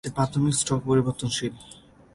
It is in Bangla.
কারণ এতে প্রাথমিক টর্ক পরিবর্তনশীল।